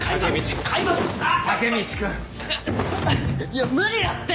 いや無理だって！